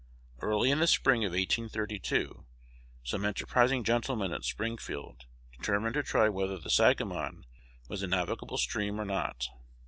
Early in the spring of 1832, some enterprising gentlemen at Springfield determined to try whether the Sangamon was a navigable stream or not.